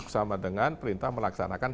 sama dengan perintah melaksanakan